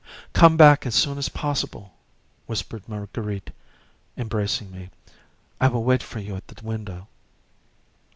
"Come back as soon as possible," whispered Marguerite, embracing me; "I will wait for you at the window."